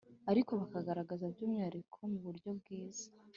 ariko bakagaragaza by umwihariko mu buryo bwiza